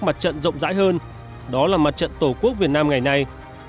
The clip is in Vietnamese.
hình thức mặt trận rộng rãi hơn đó là mặt trận tổ quốc việt nam ngày nay